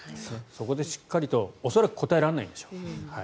そこでしっかりと恐らく、答えられないでしょう。